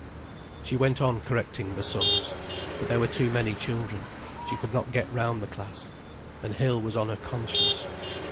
She went on correcting the sums. But there were too many children. She could not get round the class. And Hill was on her conscience.